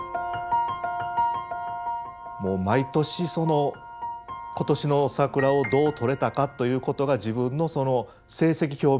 もう毎年その今年の桜をどう撮れたかということが自分のその成績表みたいな。